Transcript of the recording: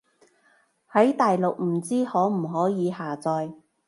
喺大陸唔知可唔可以下載